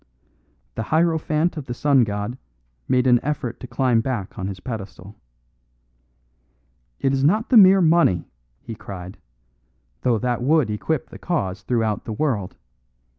The hierophant of the sun god made an effort to climb back on his pedestal. "It is not the mere money," he cried, "though that would equip the cause throughout the world.